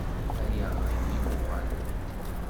Ay aɣṛib-iw, uɣal-d.